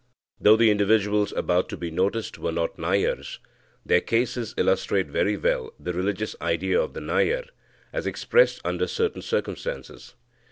Though the individuals about to be noticed were not Nayars, their cases illustrate very well the religious idea of the Nayar as expressed under certain circumstances.